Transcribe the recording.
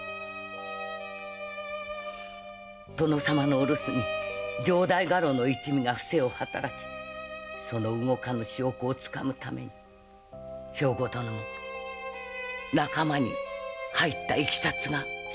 殿様のお留守に城代家老の一味が不正を働きその動かぬ証拠を掴むために兵庫殿も仲間に入った経緯が記されておりますね。